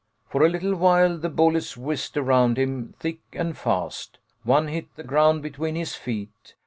For a little while the bullets whizzed around him thick and fast. One hit the ground between his feet.